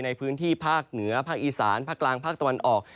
ในพื้นที่ภาคเหนือภาคอีสานภาคกลางภาคตะวันออก